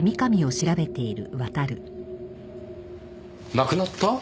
亡くなった？